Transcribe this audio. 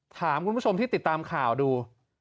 ถามคุณผู้ชมที่ติดตามข่าวดู